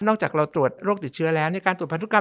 จากเราตรวจโรคติดเชื้อแล้วในการตรวจพันธุกรรม